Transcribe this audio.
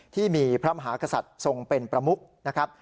ที่มีพระมหากษัตริย์ทรงเป็นประมุกนะครับ